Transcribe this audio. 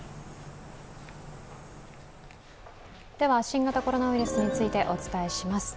新型コロナウイルスについてお伝えします。